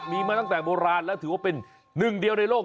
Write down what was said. มีมาตั้งแต่โบราณแล้วถือว่าเป็นหนึ่งเดียวในโลก